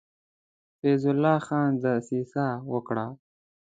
فیض الله خان دسیسه وکړه.